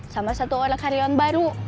sama satu orang karyawan baru